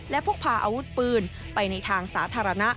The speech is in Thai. และพกพาอาวุธปืนไปในทางสาธารณะ